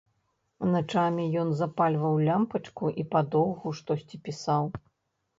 Начамі ён запальваў лямпачку і падоўгу штосьці пісаў.